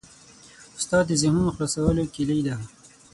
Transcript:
استاد د ذهنونو خلاصولو کلۍ ده.